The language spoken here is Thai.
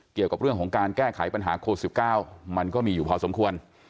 เกี่ยวกับเรื่องของการแก้ไขปัญหาโควิด๑๙มันก็มีอยู่พอสมควร